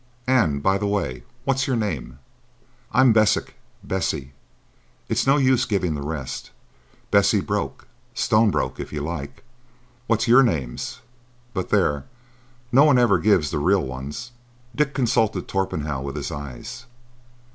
And, by the way, what's your name?" "I'm Bessie,—Bessie—— It's no use giving the rest. Bessie Broke,—Stone broke, if you like. What's your names? But there,—no one ever gives the real ones." Dick consulted Torpenhow with his eyes.